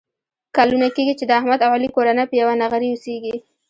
کلونه کېږي چې د احمد او علي کورنۍ په یوه نغري اوسېږي.